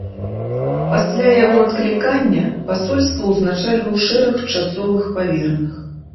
Пасля яго адклікання пасольства ўзначальваў шэраг часовых павераных.